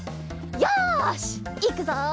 よしいくぞ！